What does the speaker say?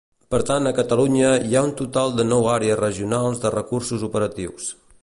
Per tant a Catalunya hi ha un total de nou Àrees Regionals de Recursos Operatius.